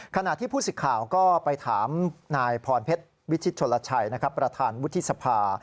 ขณะที่ผู้สิทธิ์ข่าวก็ไปถามนายพรเพชรวิชิตชนลชัยประธานวุฒิสภา